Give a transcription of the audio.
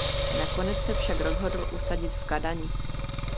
Nakonec se však rozhodl usadit v Kadani.